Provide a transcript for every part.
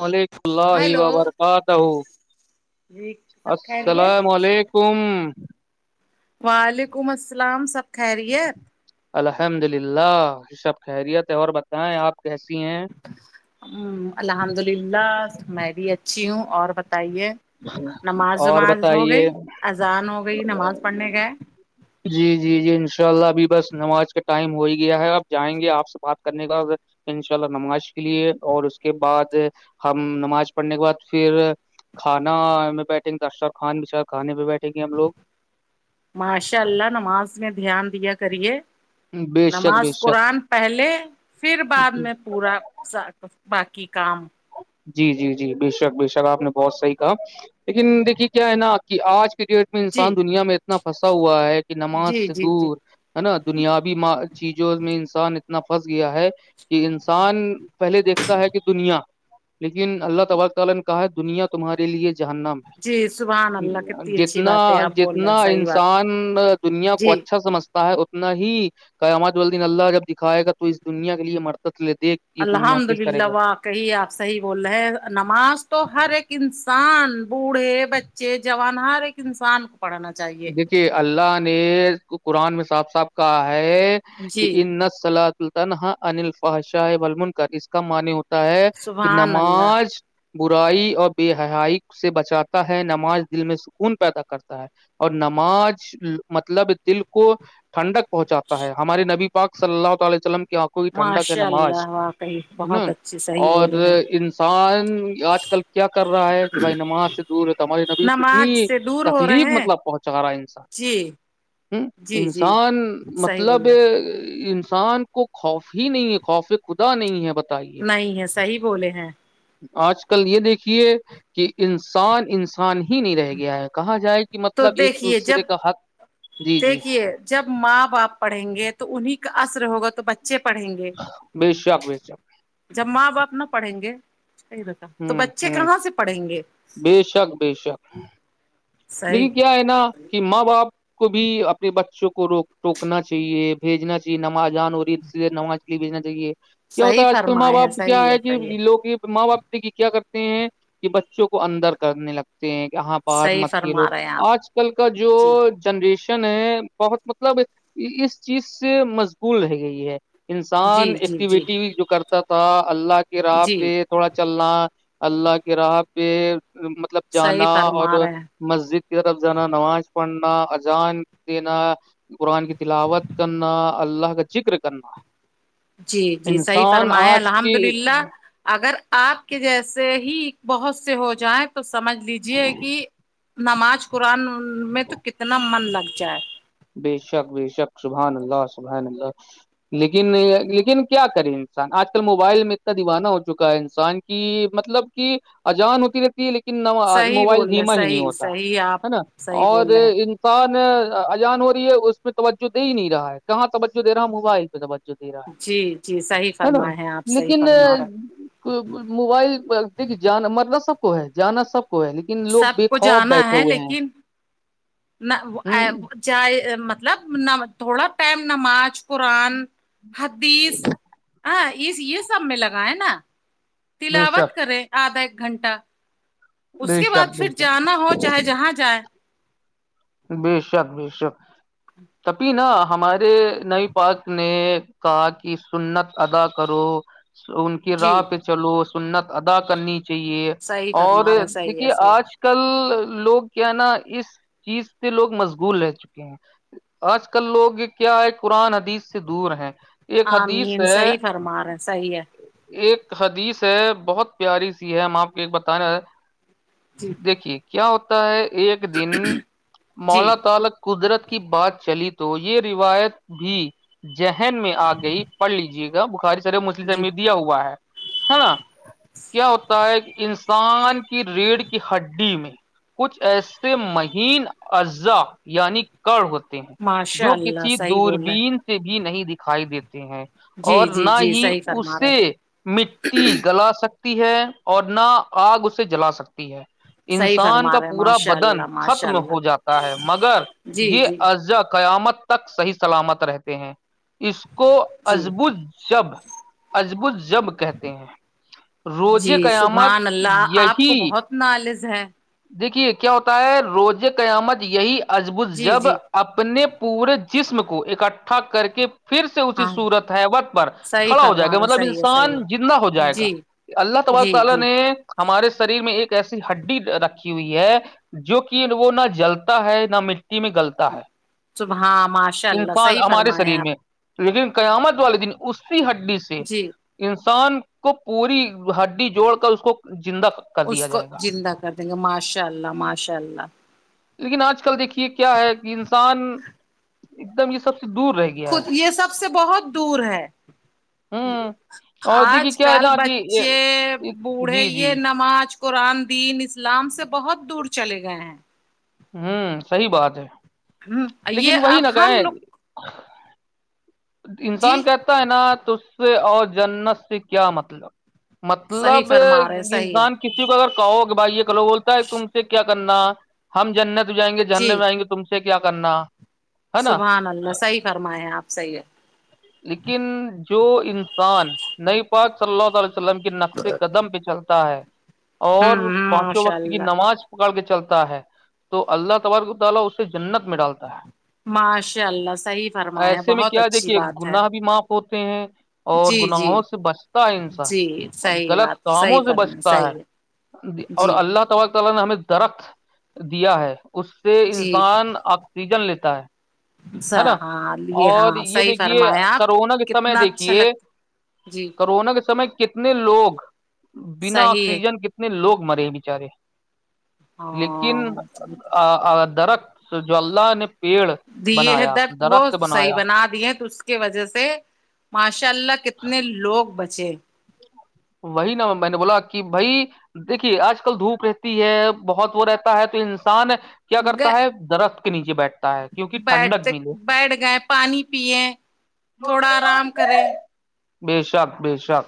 وعلیکم اللہ ہیلو وبرکاتہ جی سب خیریت السلام علیکم کم وعلیکم السلام خری ہے الحمد للہ رشب خیریت ہے اور بتائیں آپ کیسی ہیں ہ الحمد للہ میں بھی اچھی ہوں اور بتائیے نماز اور وماز ہو بتائیے گئی اذان ہو گئی نماز پڑھنے گئے جی جی جی انشاء اللہ ابھی بس نماز کا ٹائم ہو ہی گیا ہے اپ جائیں گے آپ سے بات کرنے کا ان شاء اللہ نماز کے لیے اور اس کے بعد ہم نماز پڑھنے کے بعد پھر کھانا میں بیٹھیں گے درشر خانچار کانے میں بیٹھیں گے ہم لوگ ماشاء اللہ نماز میں دھیان دیا کریے لوگ بے شک بے نماز شک قرآن پہلے پھر بعد میں پورا باقی کام جی جی جی بے شک بے شک آپ نے بہت صحیح کہا لیکن دیکھیے کیا ہے نا کہ آج کی ڈیٹ جی انسان دنیا میں اتنا پھنسا ہوا ہے کہ نماز جی سے جی جی دور ہے نا دنیابی چیزوں میں انسان اتنا پھنس گیا ہے کہ انسان پہلے دیکھتا ہے کہ دنیا لیکن اللہ تبارک تعی نے کہا دنیا تمہارے لیے جہانناا جی سبحان اللہ کتنی اچھی جتنا بات ہے آپ بول رہے ہیں جتنا صحیح بات ہے انسان دنیا کو جی اچھا سمجھ ہے اتنا ہی قیامت والدین اللہ جب دکھائے گا تو اس دنیا کے لیے مرتب لے دیکھ یہ دنیا الحمد کس طرح کا للہ واقعی آپ صحیح بول رہے ہیں نماز تو ہر ایک انسان بوڑھے بچے جوان ہر ایک انسان کو پڑھانا چاہیے کہ اللہ نے قرآن میں صاف صاف کہا ہے کہ جی ان نسل سلطان ہاں ان الفاشاہ بلمنک اس کا منی ہوتا ہے کہ سبحان اللہ نماز برائی اور بے حائی سے بچاتا ہے نماز دل میں سکون پیدا کرتا ہے اور نماز مطلب دل کو ٹھنڈک پہنچاتا ہے ہمارے نبی اک سلہ تعلیہ وسلم آنکھوں کی ٹھنڈا کیا ماشاء نماز اللہ واقعی ہے نا بہت اچھی صحیح اور بولے ہیں انسان آج کل کیا کر رہا ہے کہ بھائی نماز سے دور ہے تو ہماری نبی نماز کتنی سے دور ہو تکلیف رہے ہیں مطلب پہنچا رہا انسان جی ہ جی جی انسان صحیح مطلب بول رہے انسان کو خوف ہی نہیں ہے خوف خدا نہیں ہے بتا نہیں ہے صحیح بولے ہیں آج کل یہ دیکھیے کہ انسان انسان ہی نہیں رہ گیا ہے کہا جائے کہ مطلب تو مطلب ایک دیکھیے جب دوسرے کا حق جی جی دیکھیے جب ماں باپ پڑھیں گے تو انہیں کا اثر ہوگا تو بچ بچے پڑھیں گے بے شک بے شک جب ماں باپ نہ پڑھیں گے [unintelligible] صحی بتا تو بچے کہاں سے پڑھیں گے ب شک بے شک صحیح دیکے کیا ہے نا کہ ماں باپ کو بھی اپنے بچوں کو روک ٹوکنا چاہیے بھیجنا چاہیے نمازجان ہو رہی ہے اسے نمازلی بھیجنا چاہیے کیا ہوتا صحیح ہے آج کل ماں فرمائے ہیں باپ کیا صحیح ہے کہ صحیح لوگ ماں باپ کہ کیا کرتے ہیں کہ بچوں کو اندر کرنے لگتے ہیں کہ ہاں پار صحیح مت کھیلو فرما رہے ہیں آپ آج کل کا جو جی جنریشن ہے بہت مطلب اس چیز سے مشغول رہ گئی ہے انسان جی جی جی ایکٹیویٹی جو کرتا تھا اللہ کے راہ جی پہ تھوڑا چلنا اللہ کے راہ پہ مطلب صحیح جانا فرما اور رہے ہیں مسجد کی طرف جانا نماز پڑھنا اجان دینا قرآن کی تلاوت کرنا اللہ کا ذکر کرنا جی جی صحیح انسان فرمائےیں آج الحمد کی للہ اگر آپ کے جیسے ہی بہت سے ہو جائیں تو سمجھ لیجے کہ نماز قرآن میں تو کتنا من لگ جائے بے شک بے شک سبحان اللہ سبحان اللہ لیکن لیکن کیا کرے انسان آج کل موبائل میں اتنا دیوانہ ہو چکا ہے انسان کہ مطلب کہ اجان ہوتی رہتی لیکن صحیح موبائل بول رہے دھیما ہی نہیں صحیح ہوتا صحیح آپ ہے نا صحیح اور بول رہے ہیں ان ان اجان ہو رہی ہے اس میں توجہ د ہی نہیں رہا ہے کہاں توجہ دے رہا ہوں موبائل پہ توجہ جو د جی جی صحیح رہا ہے نا فرمائے ہیں آپ صحیح لیکن فرما رہے موبائل د جانا مرلہ سب کو ہے جانا سب کو ہے لیکن لوگ سب بے کو خوف جانا بیٹھے ہے ہوئے ہیں لیکن ہ جائے مطلب تھوڑا پیم نماز قرآن حدیث ہ اس یہ سب میں لگائیں نا بے تلاوت شک کرے آدھا ایک گھنٹہ اس بے کے بعد شک بے پھر شک جانا ہو چاہے جہاں جائے ب شک بے شک کبھی نا ہمارے نئی پاک نے کہا کہ سنت ادا کرو ان کی جی راہ پہ چلو سنت ادا کرنی چاہیے صحیح اور فرما رہے صحیح ہے دیکھیے صحیح آج کل لوگ کیا نا اس چیز سے لوگ مشغول رہ چکے ہیں آج کل لوگ کیا ہے قرآن حدیز سے دور ہیں ایک ہاں حدیث مین ہے صحیح فرمار رہ ہے صحیح ہے ایک حدیث ہے بہت پیاری سی ہے ہم آپ کو ایک بتانا جی دیکھیے کیا ہوتا ہے ایک دن جی مولا طالب قدرت کی بات چلی تو یہ روایت بھی ذہن میں آ گئی پڑھ لیجیے گا بخاری سر جی مسلم ت دیا ہوا ہے ہے نا کیا ہوتا ہے انسان کی ریڑھ کی ہڈی میں کچھ ایسے م ہین اجزا یعنی کر ہوتے ہیں ماشاء جو اللہ کسی صحیح بول رہے دوربین سے بھی نہیں دکھائی دیتے ہیں جی اور جی نہ جی ہی صحیح فرما رہے اسے مٹی گلا سکتے ہے اور نہ آگ اسے جلا سکتی ہے صحیح انسان فرما کا رہے پورا ماشاء بدن اللہ ماشاء میں ہو اللہ جاتا ہے مگر جی یہ جی ال جا قیامت تک صحیح سلامت رہتے ہیں اس کو جی ازبو جب ازبو جب کہتے ہیں جی روزے قیامت سبحان اللہ آپ کو یہی بہت نالز ہے دیکھیے کیا ہوتا ہے روزے قیامت یہی ازب جی جب جی اپنے پورے جسم کو اکٹھا کر کے پھر سے اسی ہاں صورت ہے وت پر صحیح کھڑا ہو جائے فرما گا رہا مطلب صحیح ہے صحیح انسان زندہ ہو ہے جائے گا جی اللہ تبارک و جی تعالی جی نے ہمارے سریر میں ایک ایسی ہڈی ہوئی ہے جو کہ وہ نہ جلتا ہے نہ مٹی میں گلتا ہے صبحاں ماشاء اللہ انسان صحیح ہمارے فرمائیں شریر آپ میں لیکن قیامت والے دن اسی ہڈی سے جی انسان کو پوری ہڈی جوڑ کر اس کو زندہ کر اس دیا کو جائے گا زندہ کر دیں گے ماشاء اللہ ماشاء اللہ لیکن آج کل دیکھیے کیا ہے کہ انسان ایک دم یہ سب سے دور رہے گی خود یہ سب سے بہت دور ہے ہوں اور آج دیکھیے کیا ہے کل نا کہ بچے یہ- بوڑھے جی جی یہ نماز قرآن دین اسلام سے بہت دور چلے گئے ہیں ہوں صحی بات ہے ہ لیکن یہ وہی اب نہ ہم کہیں لوگ انسان جی کہتا ہے نا ت سے اور جنت سے کیا مطلب صحیح مطلب فرما رہے صحیح ہے انسان کسی کو اگر کہو کہ بھائی یہ کہو بولتا ہے تم سے کیا کرنا ہم جنت جائیں گے جی جھرنے میں آئیں گے تم سے کیا کرنا ہے نا سبحان اللہ صحیح فرمائے ہے آپ صحیح ہے لیکن جو انسان نئی پاک صلہ تعالی س کے نقشے قدم پہ چلتا ہے اور ہوں پانچوں ماشاء وقت کی اللہ نماز [unintelligible] ماشاء اللہ صحیح فرما ہے ایسے میں بہت کیا اچھی دیکھیے بات ہے گناہ بھی معاف ہوتے ہیں اور جی جی گناہوں سے بچتا ہے انسان جی صحیح غلط بات کاموں صحیح سے فرمایا بچتا ہے صحیح اور جی اللہ تبار ت نے ہمیں درخت دیا ہے اس سے جی انسان آکسیجن لیتا ہے ہے نا س- ہاں یہ اور ہاں یہ صحیح دیکھیے فرمایا آپ کرونا کے سمے کتنا اچھا دیکھیے لگتا جی کرونا کے سمے کتنے لوگ بنا صحیح ہے آکسیجن کتنے لوگ مرے بچارے لیکن ہاں درخت جولہ نے پیڑ دیے ہیں بنایا درد وہ درخت صحیح بنایا بنا دیے تو کی وجہ سے ماشاء اللہ کتنے لوگ بچے وہی نا میں نے بولا کہ بھائی دیکھیے آج کل دھوپ رہتی ہے بہت وہ رہتا ہے تو انسان کیا کرتا گ- ہے درخت کے نیچے بیٹھتا ہے کیونک ٹھنڈک بیٹھتے ملے بیٹھ گئے پانی پیے تھوڑا آرام کرے ب شاک ب شاک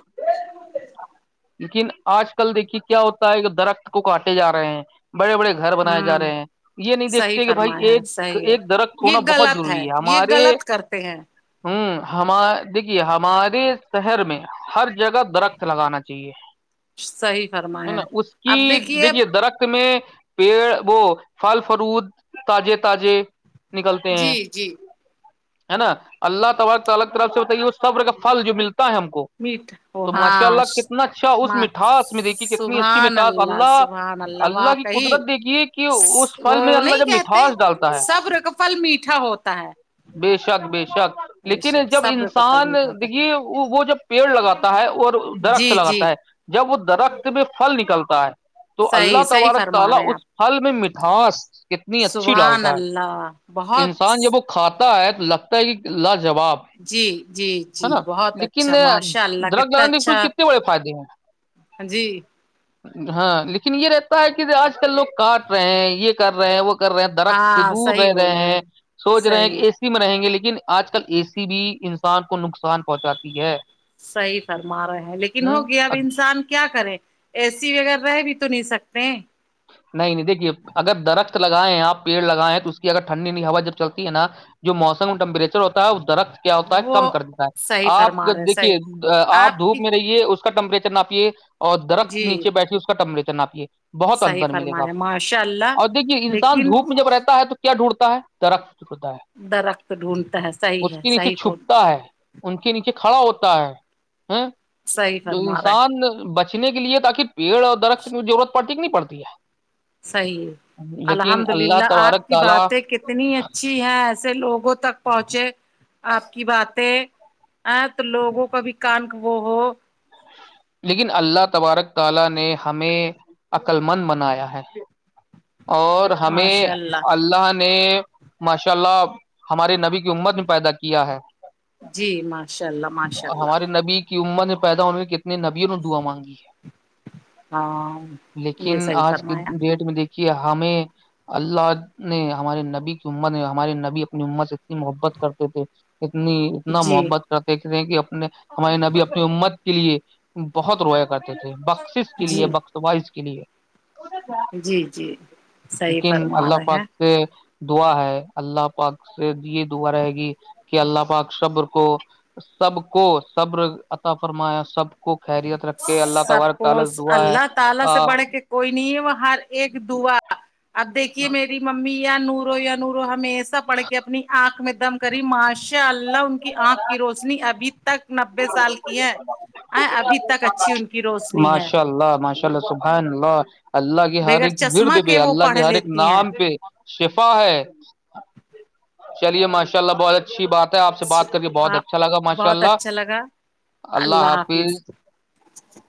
لیکن آج کل دیکھیے کیا ہوتا ہے کہ درخت کو کاٹے جاے ہیں بڑے بڑے گ گھر بنائے جا ہوں رہے ہیں یہ نہیں صحیح دیکھتے کہ بھائی فرمایا ہے ایک صحیح ہے ایک درخت یہ ہونا بہت غلط ضروری ہے یہ ہمارے غلط کرتے ہیں ہوں ہم دیکھیے ہمارے شہر میں ہر جگہ درخت لگانا چاہے صحیح ہے فرمایا نا اس کی اب دیکھیے درخت میں پیڑ وہ پھل فروود تازے تازے نکلتے ہیں جی جی ہے نا اللہ تبار الگ طرف سے بتائیے وہ سبر کا پل جو ملتا ہے ہم کو میٹ ا تو ماشاء ہاں اللہ کتنا اچھا اس ماں مٹھاس میں دیکھیے کتنی اچھی سبحان مٹھاس اللہ سبحان اللہ کی واقعی قدرت دیکھیے کہ اس فھل وہ میں اللہ نہیں جب کہتے مٹھاس ڈالتا ہے صبر کا پھل میٹھا ہوتا ہے بے شک بے شک بے لیکن شک جب صبر کا پھل انسان میٹھا ہوتا دیکھیے وہ جب پیڑ لگاتا ہے اور ہے درخت جی جی لگاتا ہے جب وہ درخت میں پھل نکلتا ہے تو اللہ صحیح صحیح تبارک فرما تعالی رہے ہیں اس آپ پھل میں مٹھاس کتنی اچھی سبحان ڈالتا ہے اللہ بہت انسان جب وہ کھاتا ہے تو لگتا ہے کہ لاجواب جی جی ہے جی نا بہت لیکن اچھا ماشاء اللہ ڈرگ کتنا لگان د سو اچھا کتنے کو فائدے ہیں جی ہاں لیکن یہ رہتا ہے کہ آج کل لوگ کاٹ رہے ہیں یہ کر رہے ہیں وہ کر رہے ہیں درخت سے ہاں دور صحیح رہ رہے بولے ہیں سوچ رہے ہیں صحیح کہ اس میں رہیں گے لیکن آج کل اے سی بھی انسان کو نقصان پہنچاتی ہے صحیح فرما رہے ہیں لیکن ہ ہوگیا اب انسان کیا کرے اے سی وغیرہ رہ بھی تو نہیں سکتے ہیں نہیں نہیں دیکھیے اگر درخت لگائے ہیں آپ پیڑ لگائےیں تو اس کی اگر ٹھنڈی ہوا جب چلتی ہے نا جو موسم ٹمپریچر ہوتا ہے وہ درخت کیا ہوتا ہے کم وہ کر دیتا ہے صحیح آپ فرما رہے صحیح دیکھیے آپ دھوپ میں رہیے اس کا ٹمپریچر ناپیے اور درخت جی نیچے بیٹھی اس کا ٹمپریچر ناپیے بہت صحیح انتر ملے گا فرمایا آپ کو ماشاء اللہ اور دیکھیے انسان لیکن دھوپ میں جب رہتا ہے تو کیا ڈھونڈتا ہے درخت ڈڑتا ہے درخت ڈھونڈتا ہے صحی اس ہے کے نیچے صحیح ف چھپتا ہے ان کے نیچے کھڑا ہوتا ہے ہ صحیح تو فرما رہے انسان بچ پچنے کے لیے تاکہ پیڑ اور درخت کی ضرورت پڑتی کی نہیں پڑتی ہے صحیح لیکن الحمد اللہ للہ آپ تبارک کی تعالیٰ باتیں کتنی ا ا جی ہیں ایسے لوگوں تک پہنچے آپ کی باتیں ا تو لوگوں کا بھی کانک وہ ہو لیکن اللہ تبارک تعالی نے ہمیں عقل مند بنایا ہے اور ہمیں اللہ نے ماشاء اللہ ہمارے نبی کی امت نے پیدا کیا ہے جی ماشاء اللہ ماشاء اللہ ہمارے نبی کی امر میں پیدا ہونے میں کتنے نبیوں نے دعا مانگی ہے ہاں یہ لیکن صحیح آج کی فرمایا ڈیٹ میں دیکھیے ہمیں اللہ نے ہمارے نبی کی امر نے ہمارے نبی اپنی امر سے اتنی محبت کرتے تھے اتنی اتنا جی محبت کرتےتے ہیں کہ اپنے ہماریے نبی اپنی ات کے لیے بہت رویا کر تھے بخشس کے لیے جی بخش وائز کے لیے جی جی صحیح لیکن فرما اللہ رہے پاک ہیں سے دعا ہے اللہ پاک سے یہ دعا رہے گی کہ اللہ پاک صبر کو سب کو صبر عطا فرمایا سب کو خریت رکھ کے اللہ سب تبارک کو تالس دعا ہے اللہ تعالی سے بڑھ کے کوئی نہیں ہے وہ ہر ایک دعا اب دیکھیے میری ممی یا نورو نورو ہمیشہ پڑھ کے اپنی آنکھ میں دم کری ماشاء اللہ ان کی آنکھ کی روز نی ابھی تک نبے سال کی ہے ابھی تک اچھی ان کی روشنی ہے ماشاء اللہ ماشاء اللہ سبحان اللہ اللہ کے ہر بغیر ایک ورد چشمہ پہ وہ اللہ پڑھ کے ہر ایک لیتی ہیں نام پہ شفا ہے چلیے ماشاء اللہ بہت ا اچھی بات ہے آپ سے بات کر کے بہت آپ اچھا لگا ماشاء بہت اللہ اچھا لگا اللہ حافظ [inaudible]